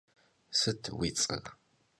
Sıt vui ts'er?